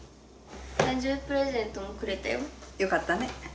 誕生日プレゼントもくれたよよかったね